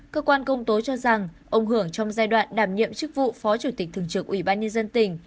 cơ quan công tố cho rằng ông hưởng trong giai đoạn đảm nhiệm chức vụ phó chủ tịch thường trực ủy ban nhân dân tỉnh